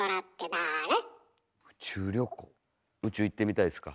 宇宙行ってみたいですか？